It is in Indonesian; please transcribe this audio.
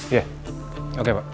iya oke pak